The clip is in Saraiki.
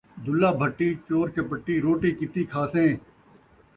دُلا بھٹی چوڑ چپٹی ، روٹی کِتی کھاسیں ،